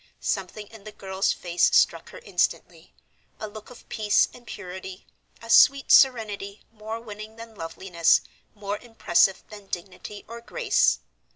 Something in the girl's face struck her instantly: a look of peace and purity, a sweet serenity more winning than loveliness, more impressive than dignity or grace.